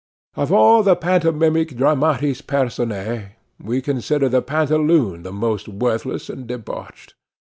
Of all the pantomimic dramatis personæ, we consider the pantaloon the most worthless and debauched.